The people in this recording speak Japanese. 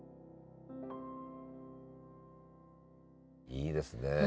いいですね。